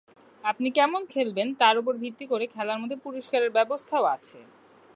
আপনি কেমন খেলবেন, তার ওপর ভিত্তি করে খেলার মধ্যে পুরস্কারের ব্যবস্থাও আছে।